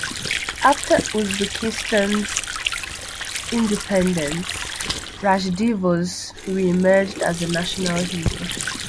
After Uzbekistan's independence, Rashidov re-emerged as a national hero.